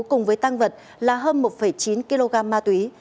cùng với tăng vật là hơn một chín kg ma túy